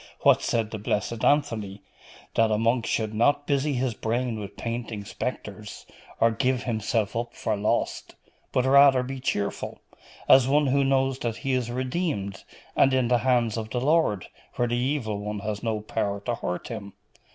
What said the blessed Anthony? That a monk should not busy his brain with painting spectres, or give himself up for lost; but rather be cheerful, as one who knows that he is redeemed, and in the hands of the Lord, where the Evil One has no power to hurt him.